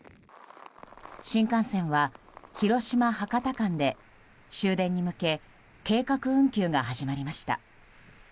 新幹線は広島博多間で終電に向け計画運休が始まりました。